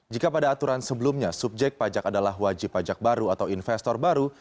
jika pada aturan sebelumnya subjek pajak adalah wajib pajak baru atau investor baru